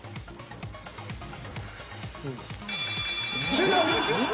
終了。